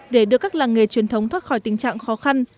để đưa các làng nghề truyền thống thoát khỏi tình trạng khó khăn